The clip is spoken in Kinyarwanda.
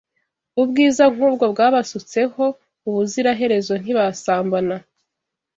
Ubwiza nkubwo bwabasutseho ubuziraherezo ntibasambana